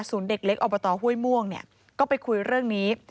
ศูนย์เด็กเล็กอฮ่วยม่วงก็ไปคุยเรื่องนี้